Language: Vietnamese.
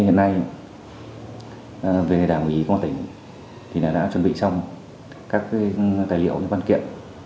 hiện nay về đảng ủy công an tỉnh thì đã chuẩn bị xong các tài liệu văn kiện